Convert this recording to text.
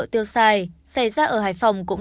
tiêu sai xảy ra ở hải phòng cũng